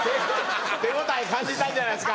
手応え感じたんじゃないですか？